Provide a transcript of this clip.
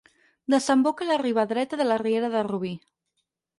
Desemboca a la riba dreta de la riera de Rubí.